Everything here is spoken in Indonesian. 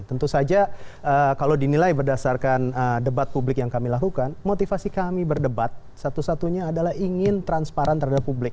tentu saja kalau dinilai berdasarkan debat publik yang kami lakukan motivasi kami berdebat satu satunya adalah ingin transparan terhadap publik